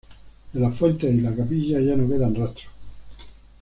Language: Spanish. De las fuentes y la capilla ya no quedan rastros.